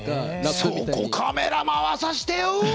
そこカメラ回させてよ！